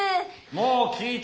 ・もう聞いた。